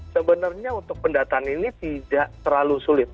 sebenarnya untuk pendataan ini tidak terlalu sulit